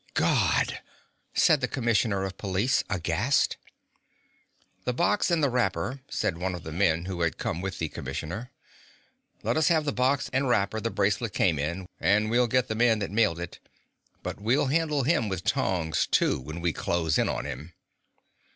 "God!" said the commissioner of police, aghast. "The box and wrapper," said one of the men who had come with the commissioner. "Let us have the box and wrapper the bracelet came in and we'll get the man that mailed it. But we'll handle him with tongs, too, when we close in on him."